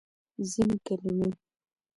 ځینې کلمې